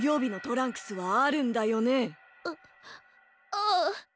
ああ。